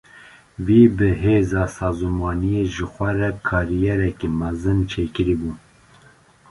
Wî bi hêza sazûmaniyê ji xwe re kariyereke mezin çêkiribû.